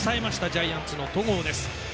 ジャイアンツの戸郷です。